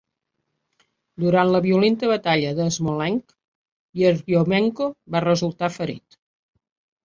Durant la violenta Batalla de Smolensk, Yeryomenko va resultar ferit.